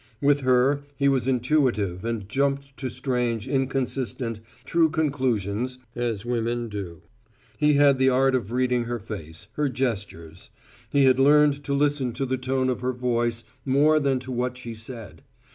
With her, he was intuitive and jumped to strange, inconsistent, true conclusions, as women do. He had the art of reading her face, her gestures; he had learned to listen to the tone of her voice more than to what she said.